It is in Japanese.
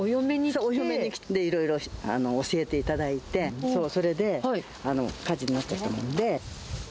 そう、お嫁に来て、いろいろ教えていただいて、そう、それで火事になっちゃったもんで。